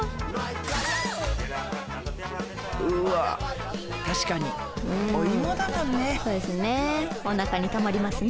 うわ確かにお芋だもんね。